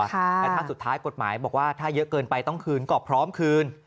แต่ถ้าสุดท้ายกฎหมายบอกว่าถ้าเยอะเกินไปต้องคืนก็พร้อมคืน